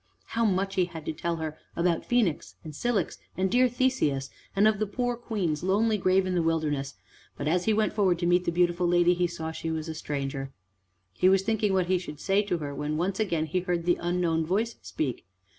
How much he had to tell her about Phoenix, and Cilix, and dear Theseus and of the poor Queen's lonely grave in the wilderness! But as he went forward to meet the beautiful lady he saw she was a stranger. He was thinking what he should say to her, when once again he heard the unknown voice speak.